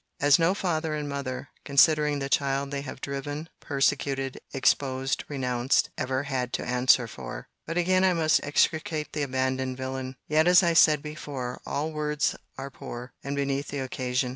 —as no father and mother, considering the child they have driven, persecuted, exposed, renounced, ever had to answer for! But again I must execrate the abandoned villain—yet, as I said before, all words are poor, and beneath the occasion.